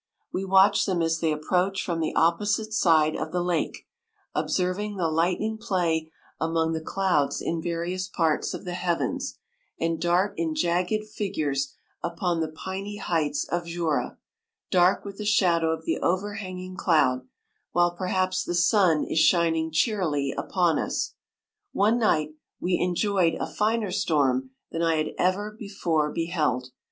We watch them as they approach from the opposite side of the lake, observing the lightning 100 play among the clouds in various parts of the heavens, and dart in jagged fi gures upon the piny heights of Jura % dark with the shadow of the overhang ^ ing cloud, while perhaps the sun is shining cheerily upon us. One night m we enjoyed a finer storm than I had ever before beheld.